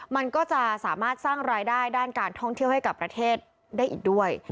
มันก็จะสามารถสร้างรายได้ด้านการท่องเที่ยวให้กับประเทศได้อีกด้วย